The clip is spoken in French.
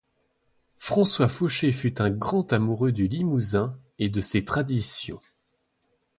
François Faucher fut un grand amoureux du Limousin et de ses traditions.